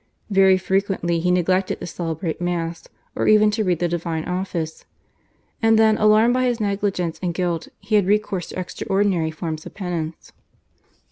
Very frequently he neglected to celebrate Mass or even to read the divine office, and then alarmed by his negligence and guilt he had recourse to extraordinary forms of penance.